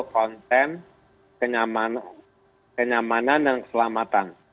konten kenyamanan dan keselamatan